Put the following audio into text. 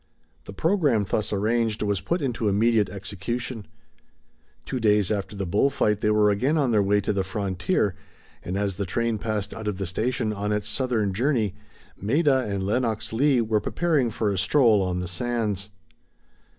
The programme thus arranged was put into immediate execution; two days after the bull fight they were again on their way to the frontier, and, as the train passed out of the station on its southern journey, Maida and Lenox Leigh were preparing for a stroll on the sands.